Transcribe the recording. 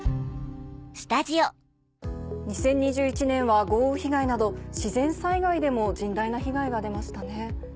２０２１年は豪雨被害など自然災害でも甚大な被害が出ましたね。